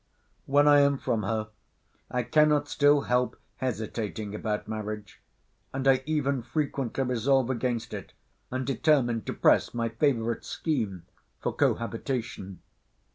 —When I am from her, I cannot still help hesitating about marriage; and I even frequently resolve against it, and determine to press my favourite scheme for cohabitation.